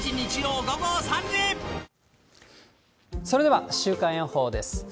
それでは、週間予報です。